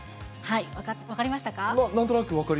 分かりましたか？